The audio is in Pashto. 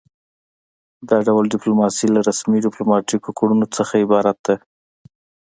دا ډول ډیپلوماسي له رسمي ډیپلوماتیکو کړنو څخه عبارت ده